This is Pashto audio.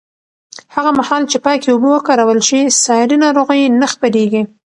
هغه مهال چې پاکې اوبه وکارول شي، ساري ناروغۍ نه خپرېږي.